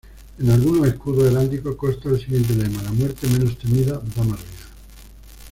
En algunos escudos heráldicos consta el siguiente lema:La muerte menos temida, da más vida.